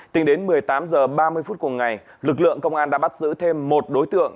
tính đến một mươi tám h ba mươi phút cùng ngày lực lượng công an đã bắt giữ thêm một đối tượng